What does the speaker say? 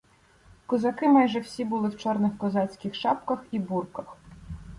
Козаки майже всі були в чорних козацьких шапках і бурках.